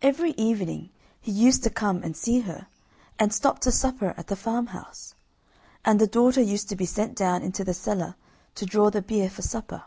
Every evening he used to come and see her, and stop to supper at the farmhouse, and the daughter used to be sent down into the cellar to draw the beer for supper.